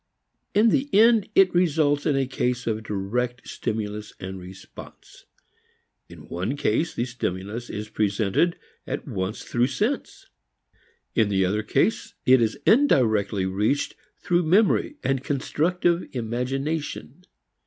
In the end it results in a case of direct stimulus and response. In one case the stimulus is presented at once through sense; in the other case, it is indirectly reached through memory and constructive imagination.